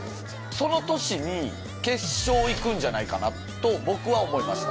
その年に、決勝いくんじゃないかなと、僕は思いました。